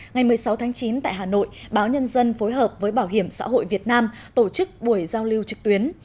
ngày một mươi sáu tháng chín tại hà nội báo nhân dân phối hợp với bảo hiểm xã hội việt nam tổ chức buổi giao lưu trực tuyến